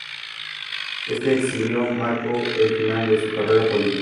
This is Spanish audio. Este exilio marcó el final de su carrera política.